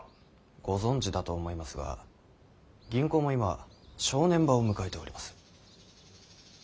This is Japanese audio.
ご存じだと思いますが銀行も今正念場を迎えております。